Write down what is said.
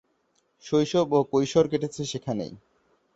শৈশব ও কৈশোর কেটেছে সেখানেই।